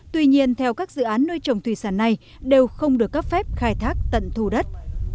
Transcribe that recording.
tuy nhiên theo các dự án nuôi trồng thủy sản này đều không được cấp phép khai thác tận thu đất